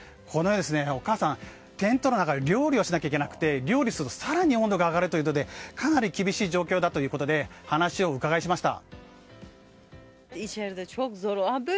お母さん、テントの中で料理をしなきゃいけなくて料理をすると更に温度が上がりかなり厳しい状況ということで話をお伺いしました。